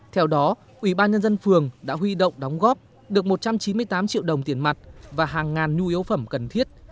theo đó ủy ban nhân dân phường đã huy động đóng góp được một trăm chín mươi tám triệu đồng tiền mặt và hàng ngàn nhu yếu phẩm cần thiết